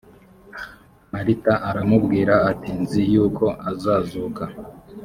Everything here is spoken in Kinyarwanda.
marita aramubwira ati nzi yuko azazuka